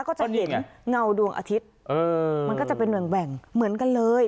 ก็จะเห็นเงาดวงอาทิตย์มันก็จะเป็นแหว่งเหมือนกันเลย